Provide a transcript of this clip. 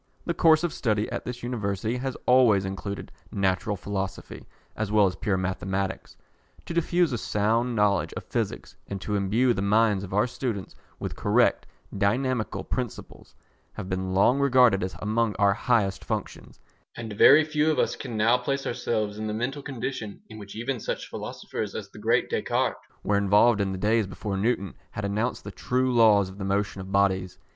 The course of study at this University has always included Natural Philosophy, as well as Pure Mathematics. To diffuse a sound knowledge of Physics, and to imbue the minds of our students with correct dynamical principles, have been long regarded as among our highest functions, and very few of us can now place ourselves in the mental condition in which even such philosophers as the great Descartes were involved in the days before Newton had announced the true laws of the motion of bodies.